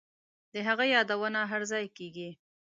د هغه یادونه هرځای کیږي